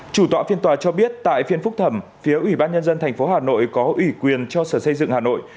chủ tọa phiên tòa cho biết tại phiên phúc thẩm phía ubnd tp hà nội có ủy quyền cho sở xây dựng hà nội